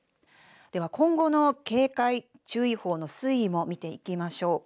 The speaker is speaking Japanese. では今後の警戒、注意報の推移も見ていきましょう。